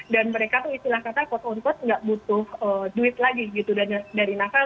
mereka tuh istilah kata quote on quote nggak butuh duit lagi gitu dari nakal